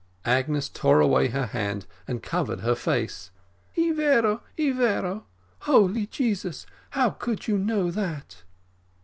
Agnes tore away her hand and covered her face. "E vero, e vero; Holy Jesus! how could you know that?"